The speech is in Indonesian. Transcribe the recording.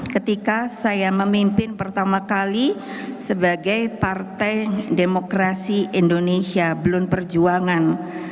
ketika saya memimpin pertama kali sebagai partai demokrasi indonesia blund perjuangan